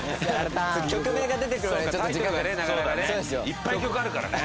いっぱい曲あるからね。